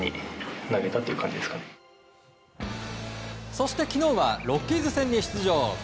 そして、昨日はロッキーズ戦に出場。